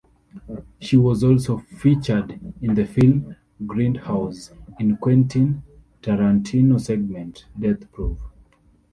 She was also featured in the film "Grindhouse", in Quentin Tarantino's segment, "Death Proof".